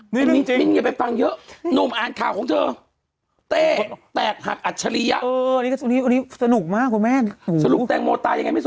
แต่งโมดตายยังไงไม่สนใจแล้วเนาะ